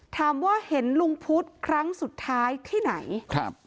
ถามว่าเห็นลุงพุทธครั้งสุดท้ายที่ไหนครับ